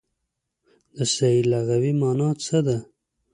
د سعې لغوي مانا هڅه ده.